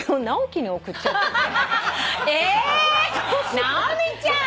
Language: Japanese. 直美ちゃん！